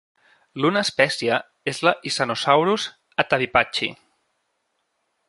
L'una espècie és la "Isanosaurus attavipachi".